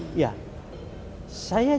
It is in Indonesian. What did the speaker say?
saya juga harus berkomunikasi